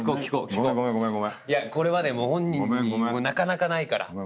これはねご本人もなかなかないから。